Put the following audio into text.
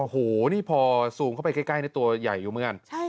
โอ้โหนี่พอซูมเข้าไปใกล้ตัวใหญ่อยู่เหมือนกัน